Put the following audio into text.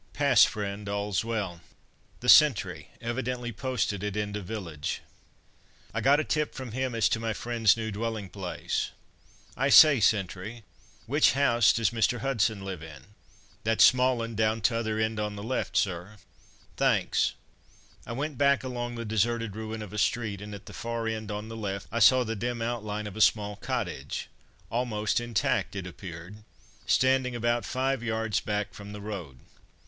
"Pass, friend, all's well." The sentry, evidently posted at end of village. I got a tip from him as to my friend's new dwelling place. "I say, Sentry, which house does Mr. Hudson live in?" "That small 'un down t'other end on the left, sir." "Thanks." I went back along the deserted ruin of a street, and at the far end on the left I saw the dim outline of a small cottage, almost intact it appeared, standing about five yards back from the road.